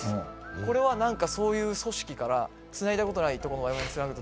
これは何かそういう組織からつないだことないとこのＷｉ−Ｆｉにつなぐと。